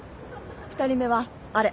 ２人目はあれ。